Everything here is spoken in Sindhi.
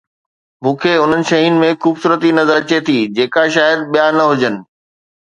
مون کي انهن شين ۾ خوبصورتي نظر اچي ٿي جيڪا شايد ٻيا نه هجن